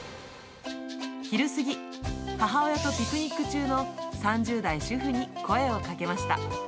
昼過ぎ、母親とピクニック中の３０代主婦に声をかけました。